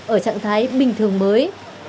ở trạng thái bình thường mới